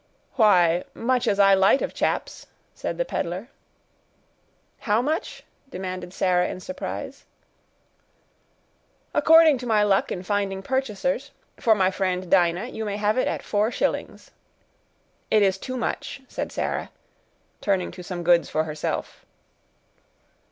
"Why, much as I light of chaps," said the peddler. "How much?" demanded Sarah in surprise. "According to my luck in finding purchasers; for my friend Dinah, you may have it at four shillings." "It is too much," said Sarah, turning to some goods for herself.